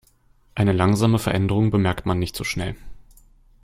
Eine langsame Veränderung bemerkt man nicht so schnell.